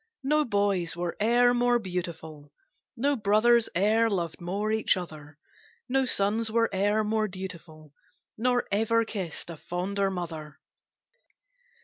No boys were e'er more beautiful, No brothers e'er loved more each other, No sons were e'er more dutiful, Nor ever kissed a fonder mother.